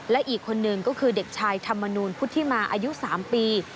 และอีกคนนึงก็คือเด็กชายธรรมนูลพุทธิมาอายุ๓ปี